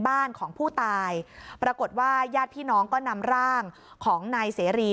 บ้านของผู้ตายปรากฏว่าญาติพี่น้องก็นำร่างของนายเสรี